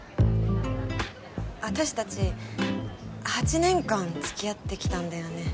私たち８年間つきあってきたんだよね